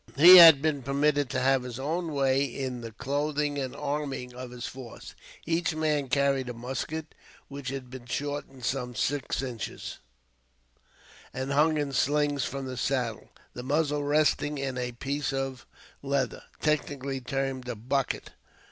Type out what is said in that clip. He had been permitted to have his own way in the clothing and arming of his force. Each man carried a musket, which had been shortened some six inches, and hung in slings from the saddle, the muzzle resting in a piece of leather, technically termed a bucket.